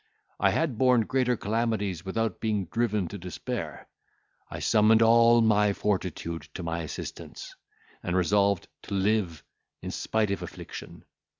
"I had borne greater calamities without being driven to despair; I summoned all my fortitude to my assistance, and resolved to live in spite of affliction.